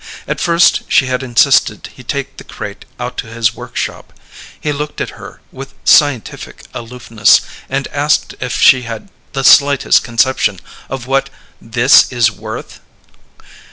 At first she had insisted he take the crate out to his workshop. He looked at her with scientific aloofness and asked if she had the slightest conception of what "this is worth?"